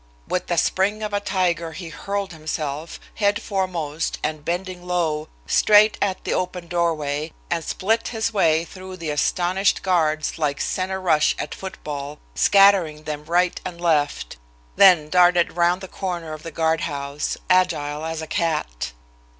With the spring of a tiger, he hurled himself, head foremost and bending low, straight at the open doorway, and split his way through the astonished guards like center rush at foot ball, scattering them right and left; then darted round the corner of the guard house, agile as a cat.